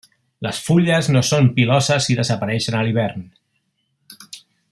Les fulles no són piloses i desapareixen a l'hivern.